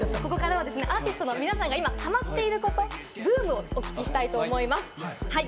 ここからはアーティストの皆さんが今、ハマってること、ブームをお伝えしたいと思います。